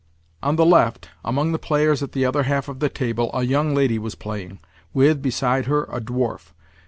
On the left, among the players at the other half of the table, a young lady was playing, with, beside her, a dwarf.